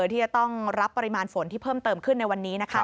ที่จะต้องรับปริมาณฝนที่เพิ่มเติมขึ้นในวันนี้นะคะ